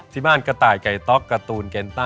ที่บ้านกระต่ายไก่ต๊อกการ์ตูนเคนต้า